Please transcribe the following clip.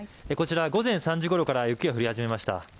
こちらは午前３時ごろから雪が降り始めました。